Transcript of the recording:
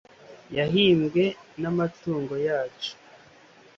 yahimbwe n'amatungo yacu